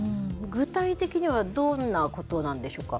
具体的にはどんなことなんでしょうか。